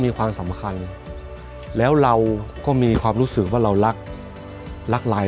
มีความสำคัญแล้วเราก็มีความรู้สึกว่าเรารักรักไร